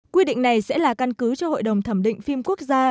quy định này sẽ là căn cứ cho hội đồng thẩm định phim quốc gia